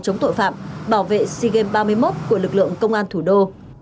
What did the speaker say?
chống tội phạm bảo vệ sigem ba mươi một của lực lượng công an thủ đô